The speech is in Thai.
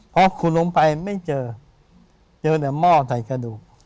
พอขุดลงไปไม่เจอเจอแต่หม้อใส่กระดูก